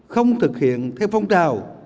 không thực hiện theo phong trào